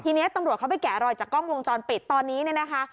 ทีนี้ตำรวจเขาไปแกะรอยจากกล้องวงจรปิดตอนนี้เนี่ยนะคะ